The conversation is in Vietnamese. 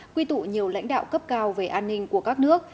quy tụ nhiều lãnh đạo cấp cao về an ninh của các nước